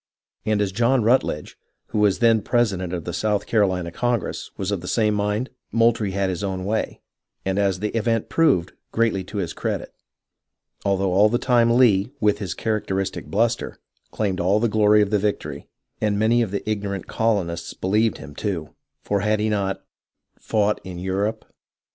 And as John Rutledge, who was then president of the South Carolina Congress, was of the same mind, — Moul trie had his own wa}' , and as the event proved, greatly to his credit ; although all the time Lee, with his char acteristic bluster, claimed all the glory of the victory, and many of the ignorant colonists believed him, too ; for had he not " fought in Europe